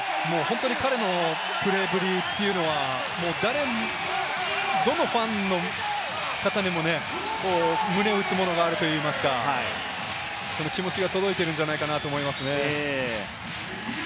本当に彼のプレーぶりっていうのは、どのファンの方にも、胸を打つものがあるといいますか、気持ちが届いているんじゃないかなと思いますね。